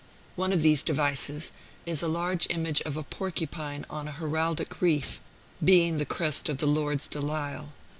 One of these devices is a large image of a porcupine on an heraldic wreath, being the crest of the Lords de Lisle.